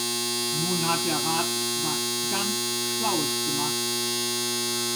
Nun hat der Rat was ganz Schlaues gemacht.